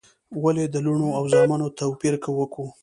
ولي د لوڼو او زامنو توپیر وکو؟